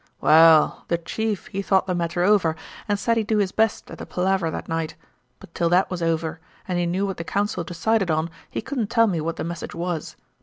"Waal, the chief he thought the matter over and said he'd do his best at the palaver that night, but till that was over, and he knew what the council decided on, he couldn't tell me what the message was.